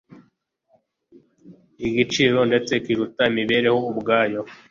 igiciro ndetse kiruta imibereho ubwayo